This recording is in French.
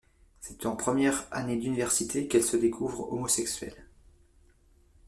C’est en première année d’Université qu’elle se découvre homosexuelle.